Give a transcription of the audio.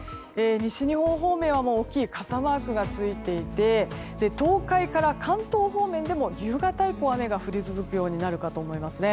西日本方面は大きい傘マークがついていて東海から関東方面でも夕方以降雨が降り続くことになりそうですね。